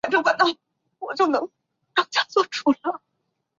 南信地方的地区。